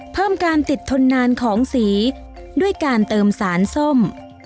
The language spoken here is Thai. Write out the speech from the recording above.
เพิ่มการติดทนนานของสีด้วยการเติมสารส้ม